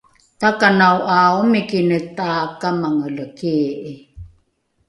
takanao ’a omikine takamangele kii’i